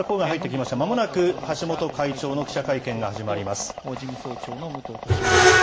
まもなく橋本会長の記者会見が始まります。